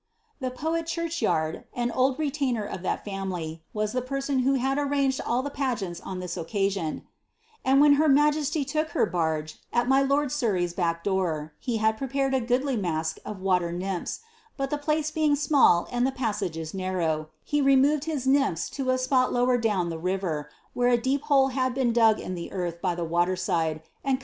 * The poet Churchyard, an old retainer of that family, was the person vho had arranged aJl the pageants on this occasion ;^^ and when her majesty took her barge at my lord Surrey's back door, he had pre{)ared a goodly mask of water nymphs, but the place being small and the pas sages narrow, he removed all his nymphs to a spot lower down the river, where a deep hole had been dug in the earth by the water side, * By the death of his grandfatlier, he soon oAer took the titlo of the earl of Anmdel. VOL.